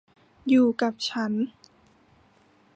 อยู่กับฉัน